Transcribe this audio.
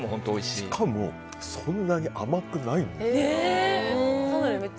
しかもそんなに甘くないんですよ。